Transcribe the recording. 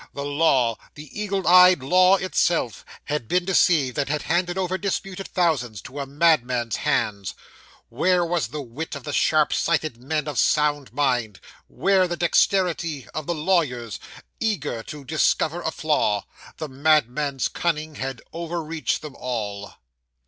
The law the eagle eyed law itself had been deceived, and had handed over disputed thousands to a madman's hands. Where was the wit of the sharp sighted men of sound mind? Where the dexterity of the lawyers, eager to discover a flaw? The madman's cunning had overreached them all.